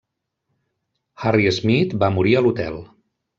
Harry Smith va morir a l'hotel.